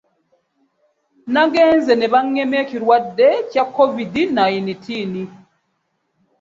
Nagenze ne bangema ekirwadde kya covid nineteen.